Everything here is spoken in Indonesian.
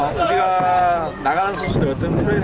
timnya lebih bergerak dari timnya